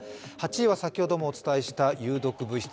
８位は先ほどもお伝えした有毒物質